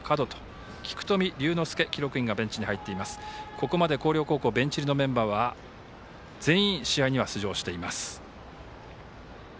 ここまで広陵高校ベンチ入りのメンバーは全員、試合には出場しています。